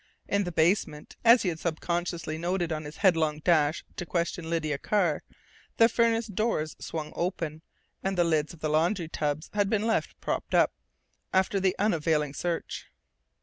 In the basement, as he had subconsciously noted on his headlong dash to question Lydia Carr, the furnace doors swung open, and the lids of the laundry tubs had been left propped up, after the unavailing search....